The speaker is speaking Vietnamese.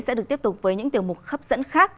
sẽ được tiếp tục với những tiểu mục hấp dẫn khác